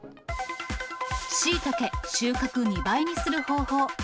シイタケ、収穫２倍にする方法。